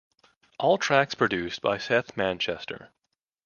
All tracks produced by Seth Manchester.